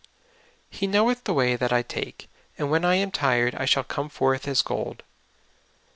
He knoweth the way that I take, and when I am tried I shall come forth as gold."